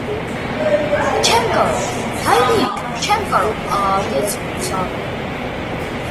- Չե՛մ կարող, հայրի՛կ, չեմ կարող,- աղաղակեց հուսահատորեն: